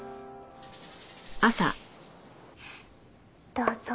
どうぞ。